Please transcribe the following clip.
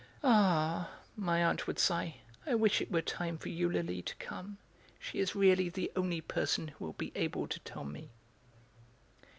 "Ah!" my aunt would sigh, "I wish it were time for Eulalie to come. She is really the only person who will be able to tell me."